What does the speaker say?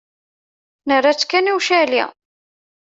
Nerra-tt kan i ucali.